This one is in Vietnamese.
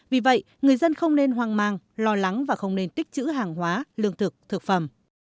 vì vậy người dân không nên hoang mang lo lắng và không nên tích chữ hàng hóa lương thực thực phẩm